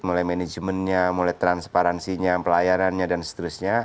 mulai manajemennya mulai transparansinya pelayanannya dan seterusnya